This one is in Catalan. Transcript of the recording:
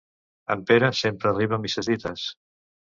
En Pere sempre arriba a misses dites.